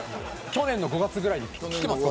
去年の５月ぐらいに来てます